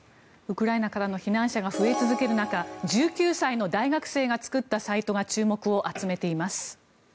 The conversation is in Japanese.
ウクライナからの避難者が増え続ける中１９歳の大学生が作ったサイトが注目を集めています。